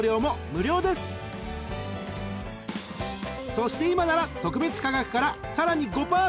［そして今なら特別価格からさらに５％オフに］